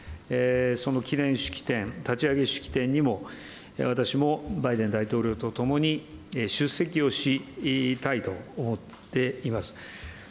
その記念式典、立ち上げ式典にも、私もバイデン大統領と共に出席をしたいと思っています。